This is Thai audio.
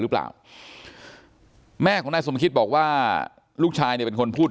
หรือเปล่าแม่ของนายสมคิตบอกว่าลูกชายเนี่ยเป็นคนพูด